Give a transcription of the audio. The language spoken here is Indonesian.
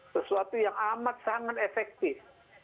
sesuatu yang amat sangat efektif